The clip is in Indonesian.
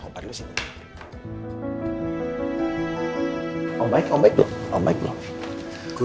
om baik baik dulu